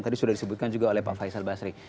tadi sudah disebutkan juga oleh pak faisal basri